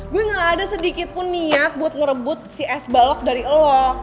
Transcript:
gue gak ada sedikit pun niat buat ngerebut si es balok dari elong